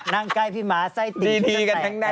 นั่งใกล้พี่ม้าไส้ติ่งฉันจะแตก